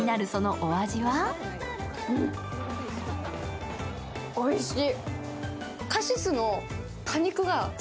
おいしい！